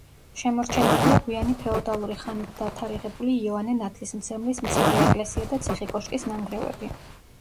შემორჩენილია გვიანი ფეოდალური ხანით დათარიღებული იოანე ნათლისმცემლის მცირე ეკლესია და ციხე-კოშკის ნანგრევები.